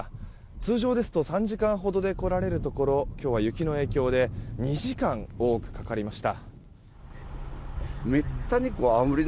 通常ですと３時間ほどで来られるところ今日は雪の影響で２時間多くかかりました。